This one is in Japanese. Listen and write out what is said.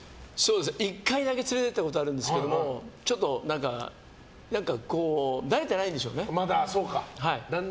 １回だけ連れて行ったことあるんですけどちょっと慣れてないんでしょうね。